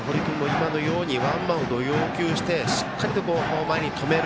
今のようにワンバウンドを要求してしっかりと前で止める。